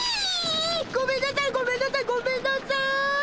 ごめんなさいごめんなさいごめんなさい！